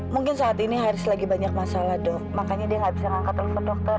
mungkin saat ini harus lagi banyak masalah dok makanya dia nggak bisa ngangkat telepon dokter